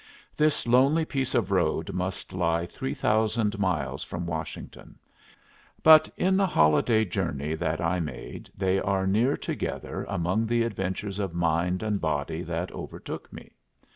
This lonely piece of road must lie three thousand miles from Washington; but in the holiday journey that I made they are near together among the adventures of mind and body that overtook me.